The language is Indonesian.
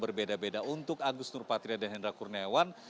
berbeda beda untuk agus nur patria dan hendra kurniawan